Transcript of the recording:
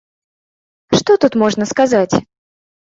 Што тут можна сказаць?